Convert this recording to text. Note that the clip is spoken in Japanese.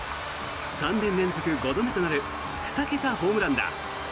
３年連続５度目となる２桁ホームランだ。